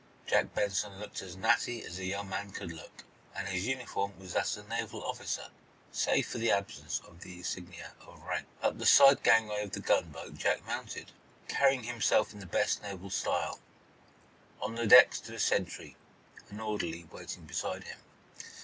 Jack Benson looked as natty as a young man could look, and his uniform was that of a naval officer, save for the absence of the insignia of rank. Up the side gangway of the gunboat Jack mounted, carrying himself in the best naval style. On deck stood a sentry, an orderly waiting beside him.